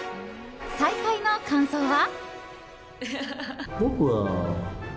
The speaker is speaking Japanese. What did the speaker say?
再会の感想は？